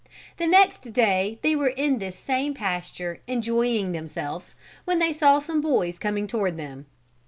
The next day they were in this same pasture enjoying themselves when they saw some boys coming toward them.